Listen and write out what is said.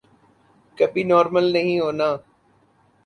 کبھی نارمل نہیں ہونا۔